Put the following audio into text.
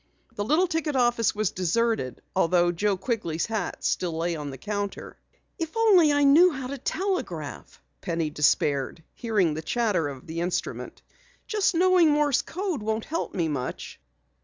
The little ticket office was deserted though Joe Quigley's hat still lay on the counter. "If only I knew how to telegraph!" Penny despaired, hearing again the chatter of the instrument. "Just knowing Morse code won't help me much."